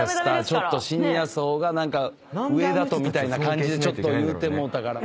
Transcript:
ちょっとシニア層が上だみたいな感じで言うてもうたから。